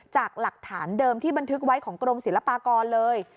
จากหลักฐานเดิมที่บันทึกไว้ของกรมศิลปากรเลย